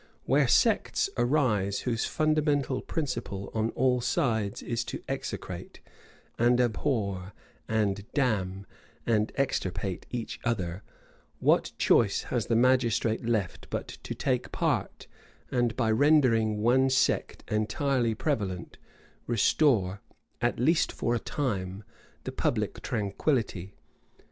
Where sects arise whose fundamental principle on all sides is to execrate, and abhor, and damn, and extirpate each other, what choice has the magistrate left but to take part, and by rendering one sect entirely prevalent, restore, at least for a time, the public tranquillity?